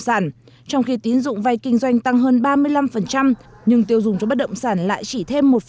sản trong khi tín dụng vay kinh doanh tăng hơn ba mươi năm nhưng tiêu dùng cho bất động sản lại chỉ thêm một